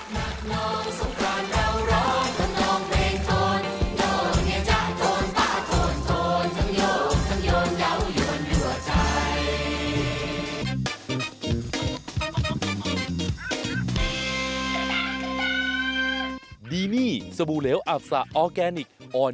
ความใหม่และรักนักน้องสงครามเราร้องทั้งน้องเพลงโทน